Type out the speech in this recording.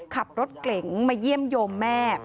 ขับรถเก๋งมาเยี่ยมโยมแม่